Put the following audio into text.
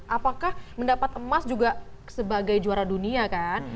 apakah mendapat emas juga sebagai juara dunia kan